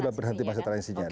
sudah berhenti masa transisinya